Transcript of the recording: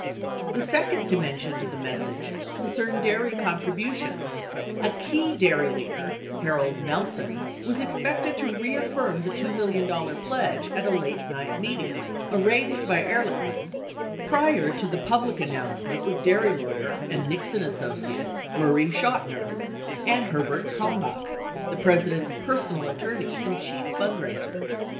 The second dimension to the message concerned dairy con tributions: A key dairy leader (Harold Nelson) was expected to re affirm the $2 million pledge at a late night meeting (arranged by Ehr lichman) prior to the public announcement with dairy lawyer (and Nixon associate) Murray Chotiner, and Herbert Kalmbach, the Presi dent's personal attorney and chief fundraiser.